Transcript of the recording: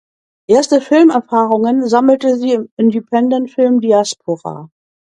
Erste Filmerfahrungen sammelte sie im Independentfilm "Diaspora".